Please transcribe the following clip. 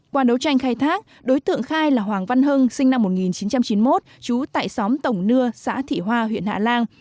qua đấu tranh khai thác đối tượng khai là hoàng văn hưng sinh năm một nghìn chín trăm chín mươi một trú tại xóm tổng nưa xã thị hoa huyện hạ lan